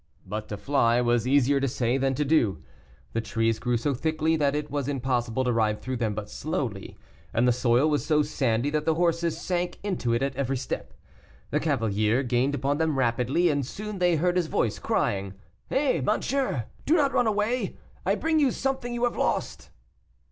But to fly was easier to say than to do; the trees grew so thickly that it was impossible to ride through them but slowly, and the soil was so sandy that the horses sank into it at every step. The cavalier gained upon them rapidly, and soon they heard his voice crying, "Eh, monsieur, do not run away; I bring you something you have lost."